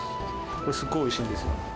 これ、すっごいおいしいんですよ。